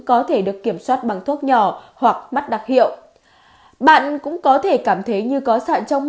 có thể được kiểm soát bằng thuốc nhỏ